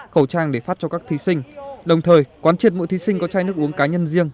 khẩu trang để phát cho các thí sinh đồng thời quán triệt mũi thí sinh có chai nước uống cá nhân riêng